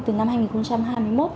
từ năm hai nghìn hai mươi một